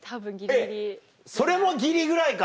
えっそれもギリぐらいか。